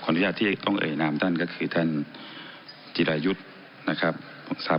ขออนุญาตที่ต้องเอ่ยนามต้านก็คือท่านจิรายุทธ์